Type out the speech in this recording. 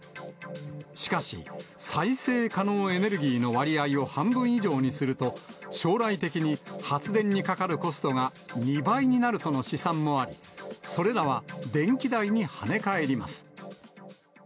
しかし、再生可能エネルギーの割合を半分以上にすると、将来的に発電にかかるコストが２倍になるとの試算もあり、それらは電気代に跳ね返ります。